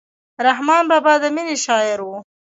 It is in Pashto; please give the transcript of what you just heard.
رحمان بابا د مینې شاعر و.